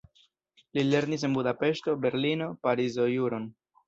Li lernis en Budapeŝto, Berlino, Parizo juron.